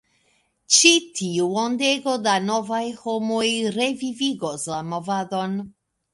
Ĉi tiu ondego da novaj homoj revivigos la movadon!